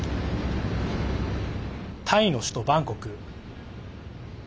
タイの首都バンコク。